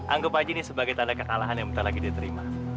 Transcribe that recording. anggap aja ini sebagai tanda kekalahan yang bentar lagi dia terima